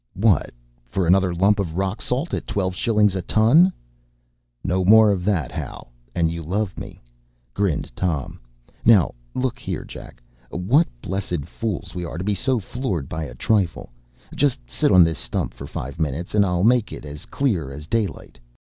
” “What! for another lump of rock salt, at twelve shillings a ton?” “‘No more of that, Hal, an you love me,’ “ grinned Tom. “Now look here, Jack. What blessed fools we are to be so floored by a trifle! Just sit on this stump for five minutes, and I’ll make it as clear as daylight.